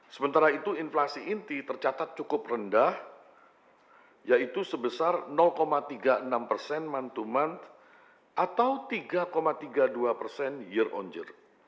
sementara itu inflasi inti tercatat cukup rendah yaitu sebesar tiga puluh enam persen mont to month atau tiga tiga puluh dua persen year on year